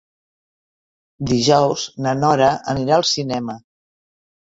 Dijous na Nora anirà al cinema.